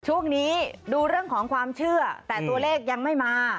ช่วงนี้ดูเรื่องของความเชื่อแต่ตัวเลขยังไม่มา